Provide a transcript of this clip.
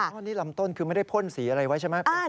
เพราะนี่ลำต้นคือไม่ได้พ่นสีอะไรไว้ใช่ไหม